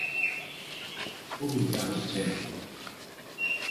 Obrigado Pere.